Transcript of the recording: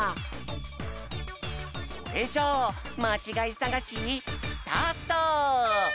それじゃあまちがいさがしスタート！